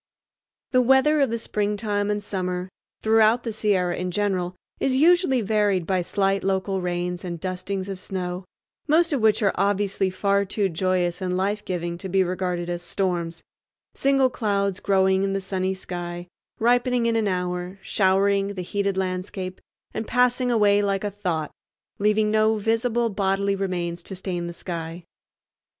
The weather of the springtime and summer, throughout the Sierra in general, is usually varied by slight local rains and dustings of snow, most of which are obviously far too joyous and life giving to be regarded as storms—single clouds growing in the sunny sky, ripening in an hour, showering the heated landscape, and passing away like a thought, leaving no visible bodily remains to stain the sky.